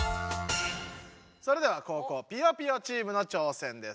それでは後攻ぴよぴよチームの挑戦です。